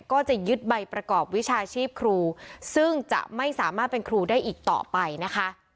ก็จะยึดใบประกอบวิชาชีพครูซึ่งจะไม่สามารถเป็นครูได้อีกต่อไปนะคะ